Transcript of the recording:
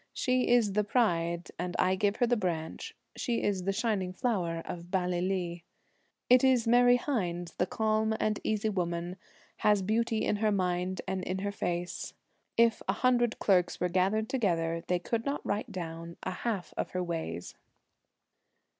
She is the pride, and I give her the branch, She is the shining flower of Ballylee. It is Mary Hynes, the calm and easy woman, Has beauty in her mind and in her face. If a hundred clerks were gathered together, They could not write down a half of her ways.'